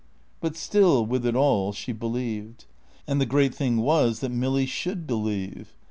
But still, with it all, she believed; and the great thing was that Milly should believe.